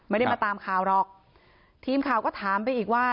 ไม่ได้มาตามข่าวหรอกทีมข่าวก็ถามไปอีกว่า